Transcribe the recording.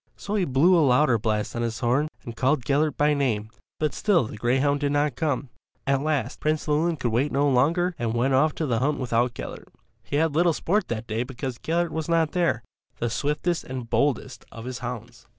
So he blew a louder blast on his horn and called Gellert by name, but still the greyhound did not come. At last Prince Llewelyn could wait no longer and went off to the hunt without Gellert. He had little sport that day because Gellert was not there, the swiftest and boldest of his hounds.